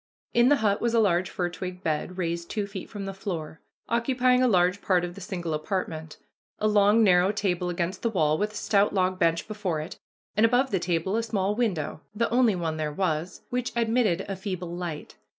In the hut was a large fir twig bed, raised two feet from the floor, occupying a large part of the single apartment, a long narrow table against the wall, with a stout log bench before it, and above the table a small window, the only one there was, which admitted a feeble light.